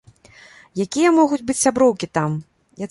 Якія могуць быць сяброўкі там?